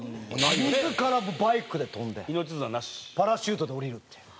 自らバイクで飛んでパラシュートで降りるっていう。